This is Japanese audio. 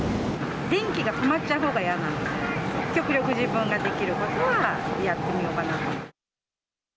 電気が止まっちゃうほうが嫌なので、極力自分ができることはやってみようかなと。